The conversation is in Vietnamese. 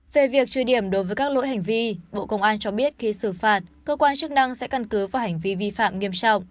về việc truy điểm đối với các lỗi hành vi bộ công an cho biết khi xử phạt cơ quan chức năng sẽ căn cứ vào hành vi vi phạm nghiêm trọng